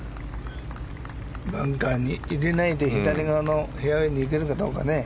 バンカーに入れないで左側のフェアウェーにいけるかどうか。